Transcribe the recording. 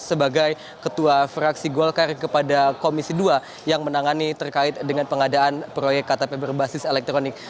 sebagai ketua fraksi golkar kepada komisi dua yang menangani terkait dengan pengadaan proyek ktp berbasis elektronik